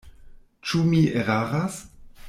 Ĉu mi eraras?